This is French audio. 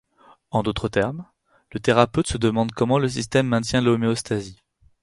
En d'autres termes, le thérapeute se demande comment le système maintient l'homéostasie.